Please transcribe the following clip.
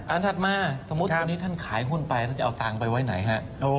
อันถัดมาสมมุติวันนี้ท่านขายหุ้นไปท่านจะเอาตังไปไหนฮะ